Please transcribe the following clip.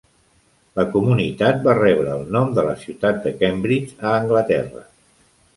La comunitat va rebre el nom de la ciutat de Cambridge, a Anglaterra.